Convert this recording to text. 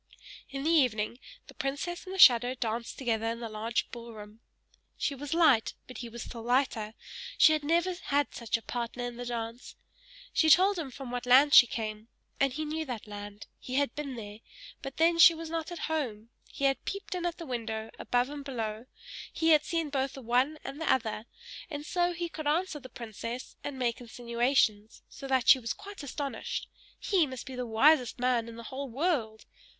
In the evening, the princess and the shadow danced together in the large ball room. She was light, but he was still lighter; she had never had such a partner in the dance. She told him from what land she came, and he knew that land; he had been there, but then she was not at home; he had peeped in at the window, above and below he had seen both the one and the other, and so he could answer the princess, and make insinuations, so that she was quite astonished; he must be the wisest man in the whole world!